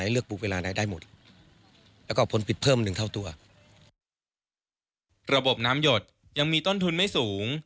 ระบบน้ำหยดยังมีต้นทุนไม่สูง